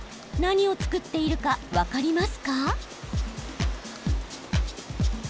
何を作っているか分かりますか？